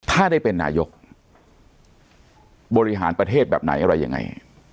ถ้าได้เป็นนายกบริหารประเทศแบบไหนอะไรยังไง